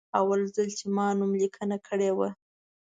اول ځل چې ما نوملیکنه کړې وه.